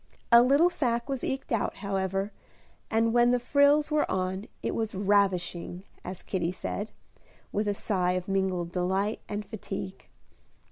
A little sacque was eked out, however, and when the frills were on, it was "ravishing," as Kitty said, with a sigh of mingled delight and fatigue.